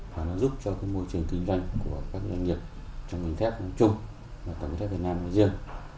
và giúp cho môi trường kinh doanh của các doanh nghiệp trong bình thép chung và tầng thép việt nam riêng